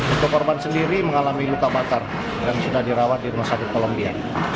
untuk korban sendiri mengalami luka bakar dan sudah dirawat di rumah sakit kolombia